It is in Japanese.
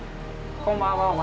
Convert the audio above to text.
こんばんは。